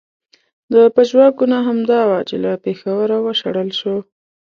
د پژواک ګناه همدا وه چې له پېښوره و شړل شو.